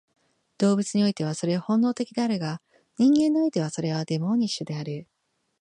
動物においてはそれは本能的であるが、人間においてはそれはデモーニッシュである。